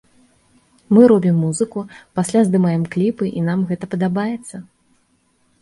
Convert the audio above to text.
Мы робім музыку, пасля здымаем кліпы і нам гэта падабаецца!